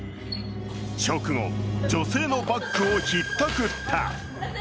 直後、女性のバッグをひったくった。